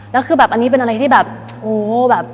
แล้วคือแบบอันนี้เป็นอะไรที่แบบโอ้แบบ